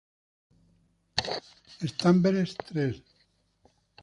Estambres tres.